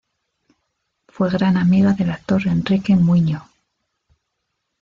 Fue gran amiga del actor Enrique Muiño.